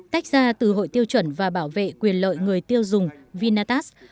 tách ra từ hội tiêu chuẩn và bảo vệ quyền lợi người tiêu dùng vinatax